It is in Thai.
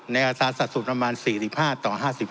ในอาศาสตร์สรุปประมาณ๔๕ต่อ๕๕